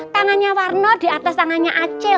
tangannya warno di atas tangannya acil